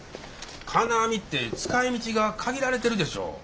金網って使いみちが限られてるでしょ。